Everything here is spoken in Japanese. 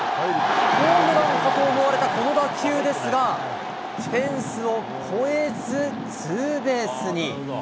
ホームランかと思われたこの打球ですが、フェンスを越えず、ツーベースに。